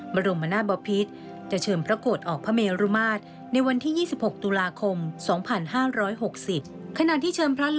บรมมนาศบพิษจะเชิญประโกตออกพระเมรุมาตร